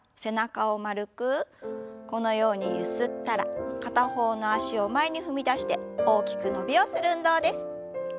このようにゆすったら片方の脚を前に踏み出して大きく伸びをする運動です。